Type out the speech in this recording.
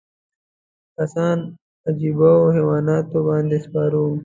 کسان عجیبو حیواناتو باندې سپاره وو.